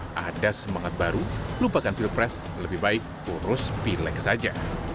jika ada yang sangat baru lupakan pilpres lebih baik urus bilek saja